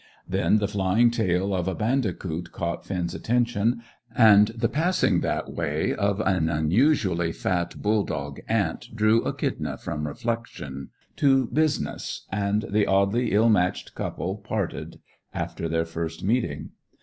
Then the flying tail of a bandicoot caught Finn's attention, and the passing that way of an unusually fat bull dog ant drew Echidna from reflection to business, and the oddly ill matched couple parted after their first meeting.